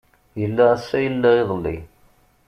Yella ass-a yella iḍeli.